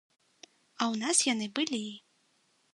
А ў нас яны былі.